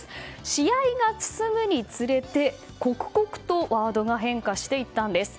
試合が進むに連れて刻々とワードが変化していったんです。